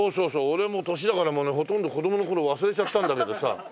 俺も年だからねほとんど子どもの頃忘れちゃったんだけどさ。